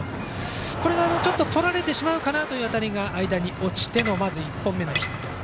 これはちょっととられてしまうかなという当たりが間に落ちての１本目のヒット。